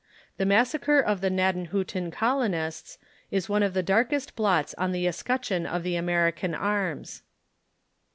The massacre of the Gnadenhiitten colonists is one of the darkest blots on the escutcheon of the American arras.